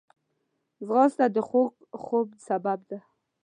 ځغاسته د خوږ خوب سبب ده